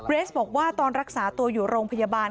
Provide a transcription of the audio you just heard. สบอกว่าตอนรักษาตัวอยู่โรงพยาบาล